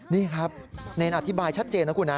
นี่ครับเนรอธิบายชัดเจนนะคุณนะ